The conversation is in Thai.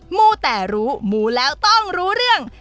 มูแต่รู้มูแล้วต้องรู้เรื่อง